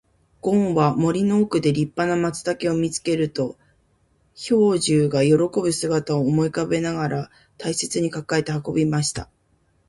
ごんは森の奥で立派な松茸を見つけると、兵十が喜ぶ姿を思い浮かべながら大切に抱えて運びました。